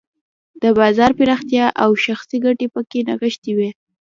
د بازار پراختیا او شخصي ګټې پکې نغښتې وې.